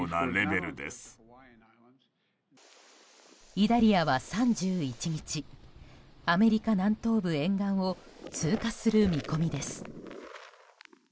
イダリアは３１日アメリカ南東部沿岸を通過する見込みです。